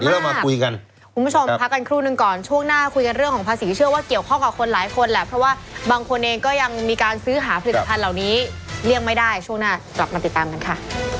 เรามาคุยกันคุณผู้ชมพักกันครู่นึงก่อนช่วงหน้าคุยกันเรื่องของภาษีเชื่อว่าเกี่ยวข้องกับคนหลายคนแหละเพราะว่าบางคนเองก็ยังมีการซื้อหาผลิตภัณฑ์เหล่านี้เลี่ยงไม่ได้ช่วงหน้ากลับมาติดตามกันค่ะ